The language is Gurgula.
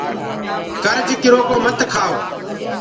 ڪرج ڪرو ڪو مت کآئو